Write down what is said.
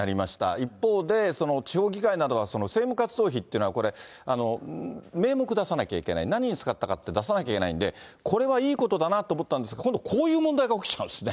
一方で、地方議会などは政務活動費というのはこれ、名目出さなきゃいけない、何に使ったか出さなきゃいけないんで、これはいいことだなと思ったんですが、今度こういう問題が起きちゃうんですね。